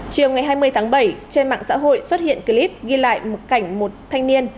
chiều ngày hai mươi tháng bảy trên mạng xã hội xuất hiện clip ghi lại một cảnh một thanh niên